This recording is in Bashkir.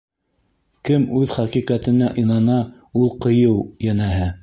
Кем үҙ хәҡиҡәтенә инана, ул ҡыйыу, йәнәһе.